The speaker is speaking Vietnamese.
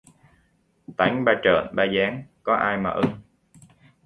Tánh ba trợn ba dáng, có ai mà ưng